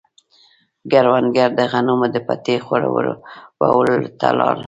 کروندګر د غنمو د پټي خړوبولو ته لاړ.